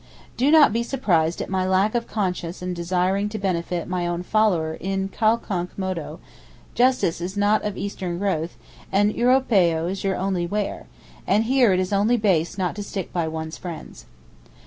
Do not be surprised at my lack of conscience in desiring to benefit my own follower in qualunque modo; justice is not of Eastern growth, and Europeo is 'your only wear,' and here it is only base not to stick by one's friends.